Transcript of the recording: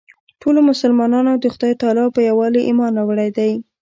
ټولو مسلمانانو د خدای تعلی په یووالي ایمان راوړی دی.